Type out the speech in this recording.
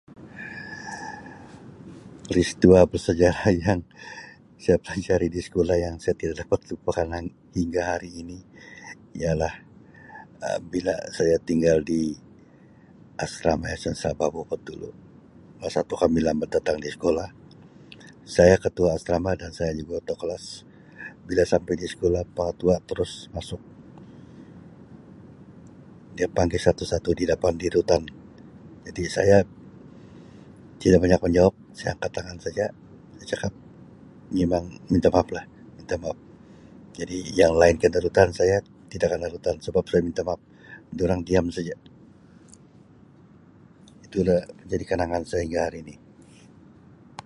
Peristiwa bersejarah yang saya pelajari di sekolah yang saya tidak dapat lupakan hingga hari ini ialah Um bila saya tinggal di asrama yayasan Sabah, Beaufort dulu. Masa tu kami lambat datang di sekolah, saya ketua asrama dan saya juga ketua kelas bila sampai di sekolah, pengetua terus masuk, dia panggil satu-satu di dapan di rutan. Jadi saya tidak banyak menjawab jadi saya angkat tangan saja, saya cakap mimang minta maap lah, minta maap. Jadi yang lain kana rutan, saya tidak kana rutan sebab saya minta maap, durang diam saja. Tulah jadi kenangan sehingga hari ini.